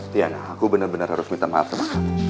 tiana aku benar benar harus minta maaf sama